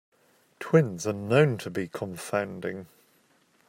Twins are known to be confounding.